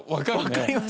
わかります